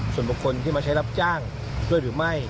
ส่วนบุคคลที่มาใช้รับจ้างด้วยหรือไม่